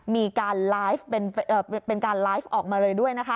มีการไลฟ์เป็นการไลฟ์ออกมาเลยด้วยนะคะ